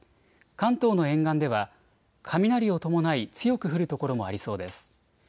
関東の沿岸では雷を伴い強く降る所もありそうです。